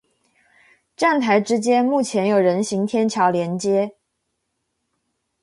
站台之间目前有人行天桥连接。